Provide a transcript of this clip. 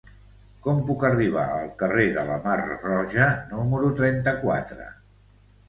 Com puc arribar al carrer de la Mar Roja número trenta-quatre?